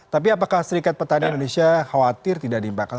tapi apakah serikat petani indonesia khawatir tidak diimbangkan